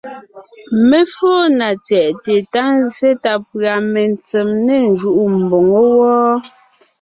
Mé fóo na tsyɛ̀ʼte ta zsé ta pʉ̀a metsem ne njúʼu mboŋó wɔ́,